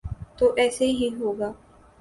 تو ایسے ہی ہوگا۔